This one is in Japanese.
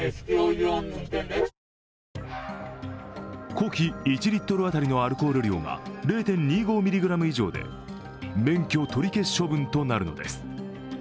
呼気１リットル当たりのアルコール量が０．２５ｍｇ以上で免許取り消し処分となるのです。